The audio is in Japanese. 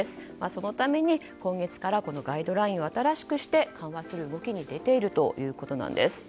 そのために今月からガイドラインを新しくして緩和する動きに出ているということです。